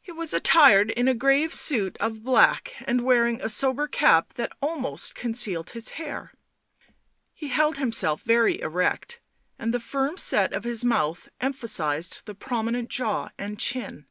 He was attired in a grave suit of black, and wearing a sober cap that almost concealed his hair; he held himself very erect, and the firm set of his mouth emphasised the prominent jaw and chin.